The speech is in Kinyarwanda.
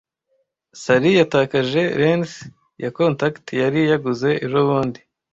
Sally yatakaje lens ya contact yari yaguze ejobundi.